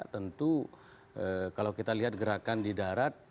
tentu kalau kita lihat gerakan di darat